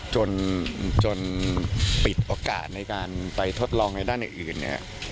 จนปิดโอกาสในการไปทดลองในด้านอื่นเนี่ย